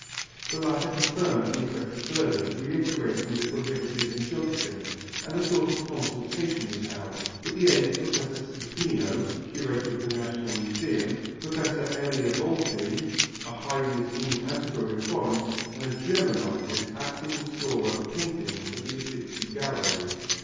The latter confirmed the inspector's verdict, reiterating the prohibiting injunction, and a sort of consultation was held, with the aid of Professor Supino, curator of the National Museum, Professor Elia Volpi, a highly esteemed antiquary of Florence, and a German artist, acting restorer of paintings at the Uffizi Gallery.